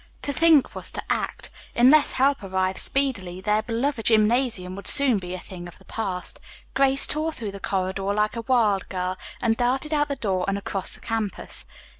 To think was to act. Unless help arrived speedily their beloved gymnasium would soon be a thing of the past. Grace tore through the corridor like a wild girl, and darted out the door and across the campus.